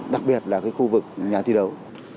đặc biệt là cái khu vực nhà thi đấu